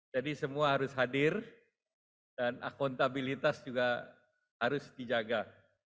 jadi semua harus hadir dan akuntabilitas juga harus dijaga